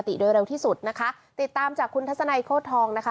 โดยเร็วที่สุดนะคะติดตามจากคุณทัศนัยโคตรทองนะคะ